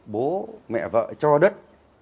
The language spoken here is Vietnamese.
bố mẹ vợ cho đất